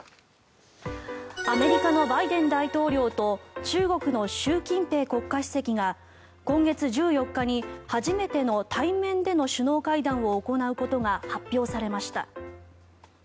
アメリカのバイデン大統領と中国の習近平国家主席が今月１４日に初めての対面での首脳会談を行うことが発表されました。